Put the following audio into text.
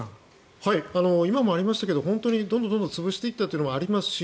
今もありましたがどんどん潰していったというのもありますし